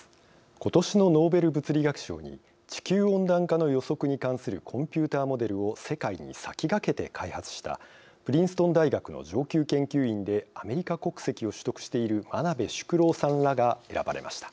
ことしのノーベル物理学賞に地球温暖化の予測に関するコンピューターモデルを世界に先駆けて開発したプリンストン大学の上級研究員でアメリカ国籍を取得している真鍋淑郎さんらが選ばれました。